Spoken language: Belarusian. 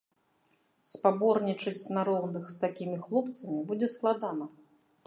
Спаборнічаць на роўных з такімі хлопцамі будзе складана.